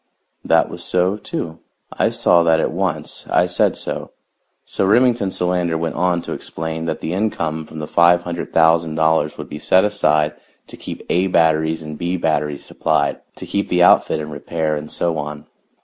That was so, too. I saw that at once. I said so. So Remington Solander went on to explain that the income from the five hundred thousand dollars would be set aside to keep "A" batteries and "B" batteries supplied, to keep the outfit in repair, and so on.